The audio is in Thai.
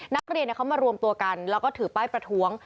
นักเรียนเขามารวมตัวกันแล้วก็ถือป้ายประท้วง